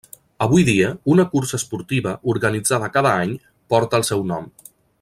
Avui dia, una cursa esportiva, organitzada cada any, porta el seu nom.